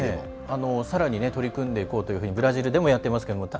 さらに取り組んでいこうというふうにブラジルでもやっていますけど。